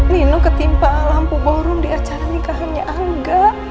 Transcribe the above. nino ketimpa lampu ballroom di acara nikahannya angga